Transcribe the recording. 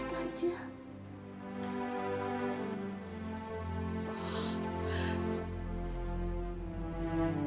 tante bela kan kucuk